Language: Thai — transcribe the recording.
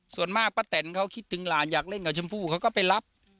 ส่วนมากป้าแตนเขาคิดถึงหลานอยากเล่นกับชมพู่เขาก็ไปรับ